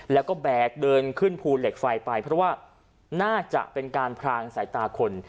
แล้วก็แบกเดินขึ้นภูเหล็กไฟไปเพราะว่าน่าจะเป็นการพรางสายตาคน